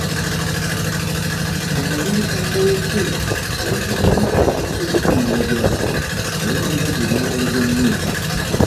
Mu kalulu akawedde baatuuka ne kussa erifuna abajaasi ne babambaza ebyambalo bya Nuupu.